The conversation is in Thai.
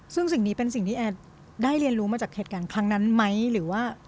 ซึ่งสิ่งนี้เป็นสิ่งที่แอนได้เรียนรู้มาจากเหตุการณ์ครั้งนั้นไหมหรือว่า